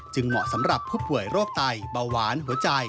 เหมาะสำหรับผู้ป่วยโรคไตเบาหวานหัวใจ